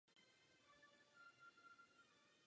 Matka se pak musela starat o tři děti sama.